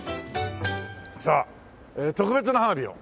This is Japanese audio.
さあ特別な花火を。